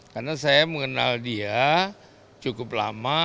karena saya mengenal dia cukup lama